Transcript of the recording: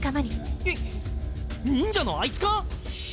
え忍者のあいつか？